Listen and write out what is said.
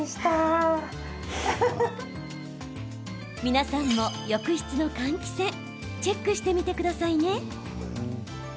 皆さんも、浴室の換気扇チェックしてみてくださいね。